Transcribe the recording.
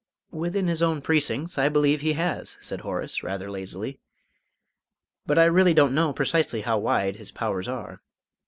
"Within his own precincts, I believe he has," said Horace, rather lazily, "but I really don't know precisely how wide his powers are."